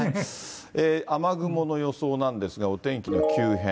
雨雲の予想なんですが、お天気の急変。